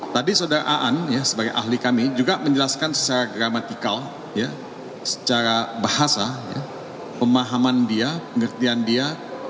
tadi saudara aan sebagai ahli kami juga menjelaskan secara gramatikal secara bahasa pemahaman dia pengertian dia